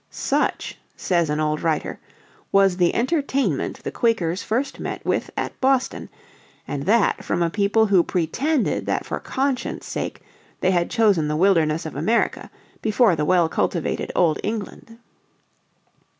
"Such," says an old writer, "was the entertainment the Quakers first met with at Boston, and that from a people who pretended that for conscience' sake they had chosen the wilderness of America before the well cultivated Old England."